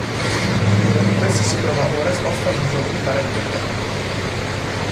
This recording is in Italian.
Uno di questi si trova ora esposto al Museo militare di Belgrado.